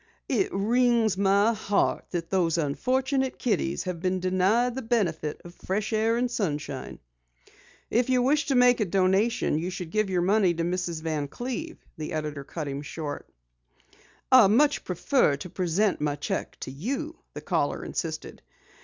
It wrings my heart that those unfortunate kiddies have been denied the benefit of fresh air and sunshine." "If you wish to make a donation, you should give your money to Mrs. Van Cleve," the editor cut him short. "I much prefer to present my cheque to you," the caller insisted.